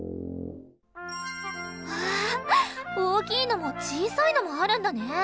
わ大きいのも小さいのもあるんだね。